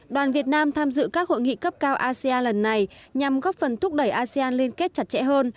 đoàn việt nam tham dự các hội nghị cấp cao asean lần này nhằm góp phần thúc đẩy asean liên kết chặt chẽ hơn